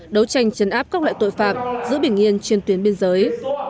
đấu tranh chấn áp các loại tội phạm giữ bình yên trên tuyến biên giới